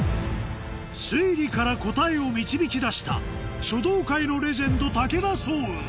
推理から答えを導き出した書道界のレジェンド武田双雲